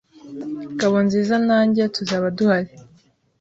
Ngabonziza nanjye tuzaba duhari.